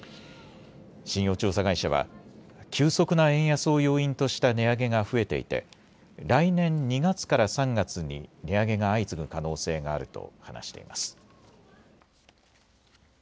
信用調査会社は急速な円安を要因とした値上げが増えていて来年２月から３月に値上げが相次ぐ可能性があると話しています。